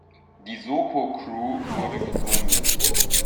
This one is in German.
Die Soko Crew wurde gegründet.